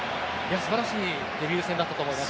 素晴らしいデビュー戦だったと思います。